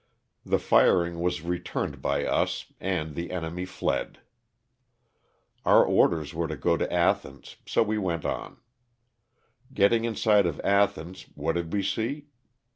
The firing was returned by us and the enemy fled. Our orders were to go to Athens, so we went on. Getting in sight of Athens, what did we see?